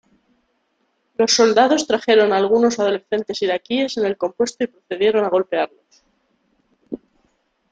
Los soldados trajeron algunos adolescentes iraquíes en el compuesto y procedieron a golpearlos.